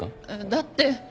だって。